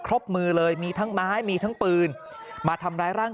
คือใช้เองไอย่เป็นเรื่องรายคำ